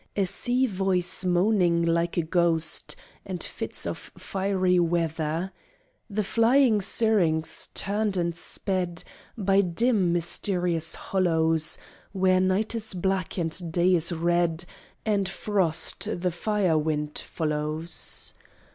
A sea voice moaning like a ghost; And fits of fiery weather! The flying Syrinx turned and sped By dim, mysterious hollows, Where night is black, and day is red, And frost the fire wind follows.